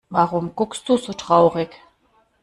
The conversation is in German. Warum guckst du so traurig?